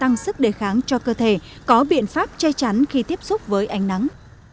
tăng sức đề kháng cho cơ thể có biện pháp che chắn khi tiếp xúc với ánh nắng